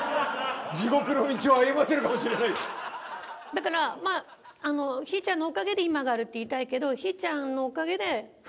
だからひーちゃんのおかげで今があるって言いたいけど。